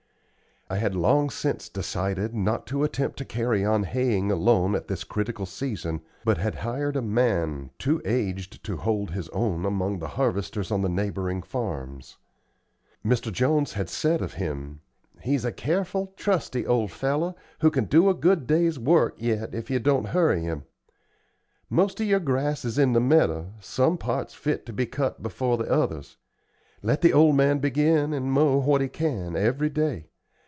I had long since decided not to attempt to carry on haying alone at this critical season, but had hired a man, too aged to hold his own among the harvesters on the neighboring farms. Mr. Jones had said of him: "He's a careful, trusty old fellow, who can do a good day's work yet if you don't hurry him. Most of your grass is in the meadow, some parts fit to cut before the others. Let the old man begin and mow what he can, every day.